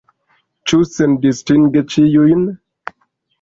Ĉu sendistinge ĉiujn?